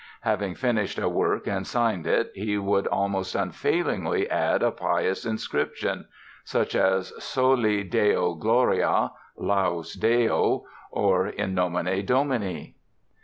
Having finished a work and signed it, he would almost unfailingly add a pious inscription, such as "Soli Deo Gloria", "Laus Deo" or "In Nomine Domini".